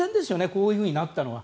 こういうふうになったのは。